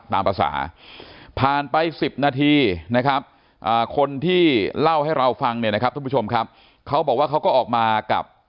ตามภาษาผ่านไป๑๐นาทีนะครับคนที่เล่าให้เราฟังเนี่ยนะครับทุกผู้ชมครับเขาบอกว่าเขาก็ออกมากับ